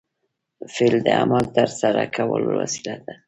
فعل د عمل د ترسره کولو وسیله ده.